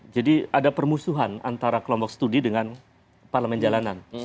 jadi ada permusuhan antara kelompok studi dengan parlamen jalanan